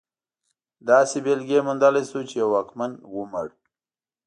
داسې بېلګې موندلی شو چې یو واکمن ومړ.